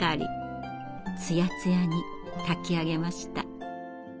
つやつやに炊きあげました。